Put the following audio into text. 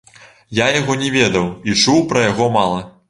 Я яго не ведаў і чуў пра яго мала.